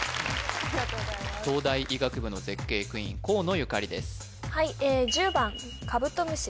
東大医学部の絶景クイーン河野ゆかりです